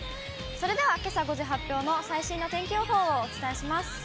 それでは、けさ５時発表の最新の天気予報をお伝えします。